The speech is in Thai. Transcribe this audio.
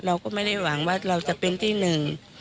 เราก็ไม่ได้หวังว่าเราจะเป็นที่หนึ่ง